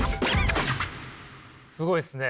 すごいっすね。